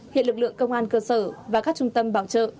hiện lực lượng công an cơ sở và các trung tâm bảo trợ